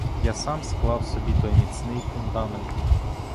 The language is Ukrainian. Я сам склав собі той міцний фундамент.